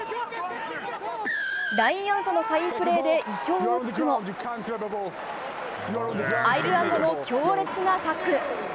ラインアウトのサインプレーで意表を突くもアイルランドの強烈なタックル。